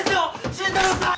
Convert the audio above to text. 新太郎さん